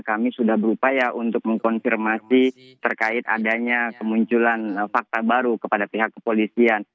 kami sudah berupaya untuk mengkonfirmasi terkait adanya kemunculan fakta baru kepada pihak kepolisian